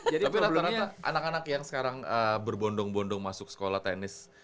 jadi problemnya anak anak yang sekarang berbondong bondong masuk sekolah tenis